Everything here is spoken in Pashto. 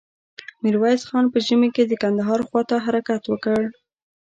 ميرويس خان په ژمې کې د کندهار خواته حرکت وکړ.